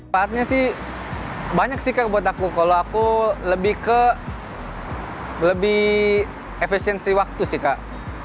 pahatnya sih banyak sih kak buat aku kalau aku lebih ke lebih efisiensi waktu sih kak